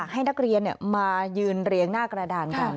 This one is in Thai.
ให้นักเรียนมายืนเรียงหน้ากระดานกัน